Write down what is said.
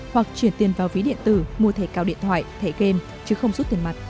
hoặc chuyển tiền vào ví điện tử mua thẻ cào điện thoại thẻ game chứ không rút tiền mặt